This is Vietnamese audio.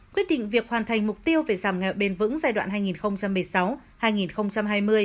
quyết định việc hoàn thành mục tiêu về giảm nghèo bền vững giai đoạn hai nghìn một mươi sáu hai nghìn hai mươi